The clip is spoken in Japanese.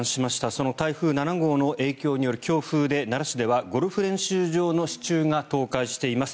その台風７号の影響による強風で奈良市ではゴルフ練習場の支柱が倒壊しています。